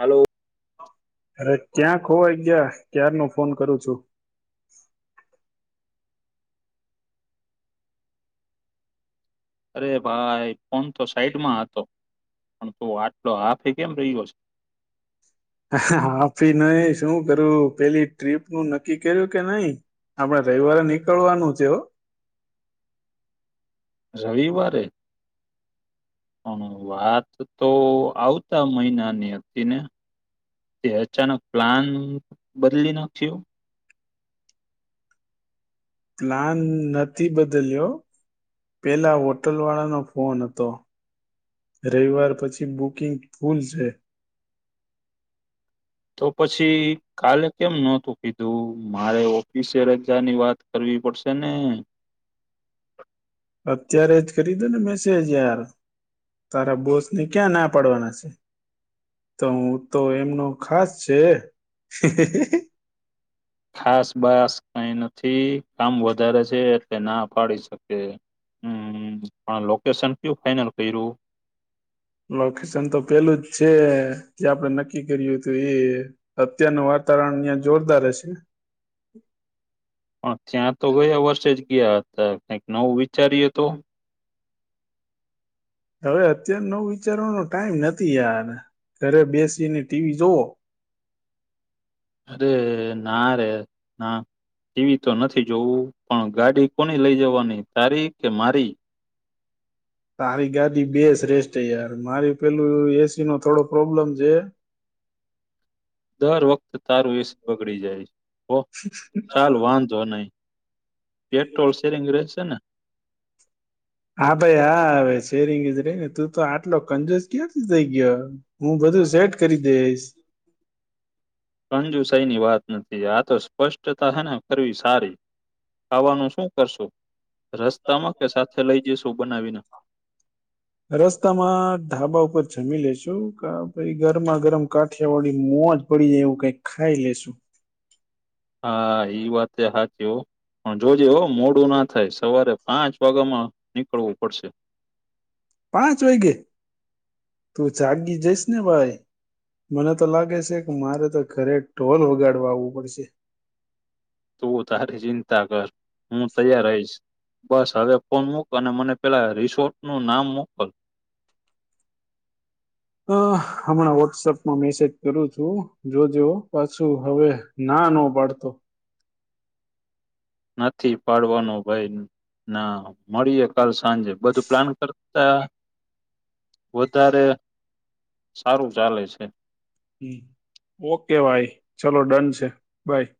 હાલો. અરે ત્યાં ખવાય ગયા ક્યાર ન ફોન કરું છું અરે ભાઈ ફોન તો સાઈડમાં હતો પણ તું આટલો હાફે કેમ રહ્યો છે હ હાી ન શું કર્યું પેલી ટ્રીપ નું નક્કી કર્યું કે નહી આપણે રવિવારે નીકળવાનું છેવ રવિવારે પણ વાત તો આવતા મહિનાની હતી ને તે અચાનક પ્લાન બદલી નાખ્યો પ્લાન નથી બદલ્યો પેલા હોટલ વાળાનો ફોન હતો રવિવાર પછી બુકિંગ ફૂલ છે તો પછી કાલે કેમ નોતું કીધું મારે ઓફિસે રજાની વાત કરવી પડશે ને અત્યારે જ કરી દો ને મેસેજ યાર તારા બોસ ને ક્યાં ના પાડવાના છે તો હું તો એમનો ખાસ છે ખાસ બાસ કઈ નથી કામ વધારે છે એટલે ના પાડી શકે હમ પણ લોકેશન કયુ ફાઈનલ કર્યું લોકેશન તો પેલું જ છે જે આપણે નક્કી કર્યું હતું એ અત્યારનું વાતાવરણ અહં જોરદાર હશે પણ ત્યાં તો ગયા વર્ષે જ ગયા હતા કઈક નવું વિચારીએ તો હવે અત્ય્યારે નવ વિચારવાનો ટાઈમ નથી યાર ઘરે બેસીની ટીવી જોવો ના રે ના એવી તો નથી જોવું પણ ગાડી કોની લઈ જવાની તારી કે મારી તારી ગાડી બેસ રેસ્ટ યાર મારી પેલું એસી નો થોડો પ્રોબ્લેમ છે દર વખત તારું એસ બગડી જાય ઓ ચાલ વાંધો નહી પેટ્રોલ શેરિંગ રહેશે ને હા ભાઈ હા હવે શેરીિંગજ રહી ને તું તો આટલો કંજોસ ક્યાંથી થઇ ગયો હું બધું સેટ કરી દઈશ રંજુ સયની વાત નથી આ તો સ્પષ્ટતા હેને ફવી સારી ખવાનું શું કરશો રસ્તા માં કે સાથે લઈ જઈશ બનાવીને રસ્તામાં ઢાબા ઉપર જમી લેશુ કે ભઈ ગરમા ગરમ કાઠિયાવાડી મોજ પડી જાય એવું કઈક ખાઈ લેશુ. હા ઈ વાતે હાચી હો પણ જોજે મોડું ના થાય સવારે પાંચ વાગ્યામાં નીકળવું પડશે. પાંચ વાગે? તું જાગી જઈશ ને ભાઈ? મને તો લાગે છે કે મારે તો ઘરે ઢોલ વગાડવા આવવું પડશે. તું તારી ચિંતા કર હું તૈયાર રહીશ. બસ હવે ફોન મૂક અને મને પેલા રિસોર્ટનું નામ મોકલ. હ હમણાં વોટ્સઅપમાં મેસેજ કરું છું જોજો પાછું હવે ના ન પાડતો. નથી પાડવાનું ભાઈ ના મળીએે કાલ સાંજે બધું પ્લાન કરતા વધારે સારું ચાલે છે. ઓકે ભાઈ ચલો ડન છે બાય.